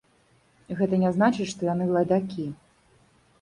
Гэта не значыць, што яны лайдакі.